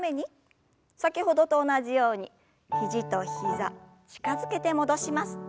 先ほどと同じように肘と膝近づけて戻します。